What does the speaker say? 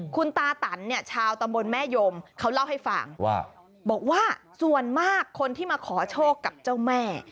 คุณตาตันเนี่ยชาวตำบลแม่ยมเขาเล่าให้ฟังว่าบอกว่าส่วนมากคนที่มาขอโชคกับเจ้าแม่